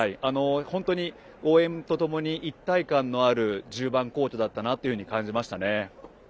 本当に応援とともに一体感のある１０番コートだったなと感じましたね。